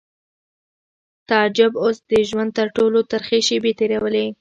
تعجب اوس د ژوند تر ټولو ترخې شېبې تېرولې